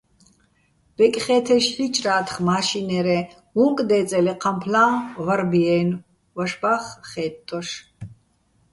ბეკხე́თეშ ჰ̦ი́ჭრა́თხ მაშინერეჼ, უ̂ნკ დე́წელო ეჴამფლა́ჼ ვარბი-აჲნო̆, ვაშბა́ხ ხე́ტტოშ.